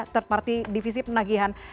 third party divisi penagihan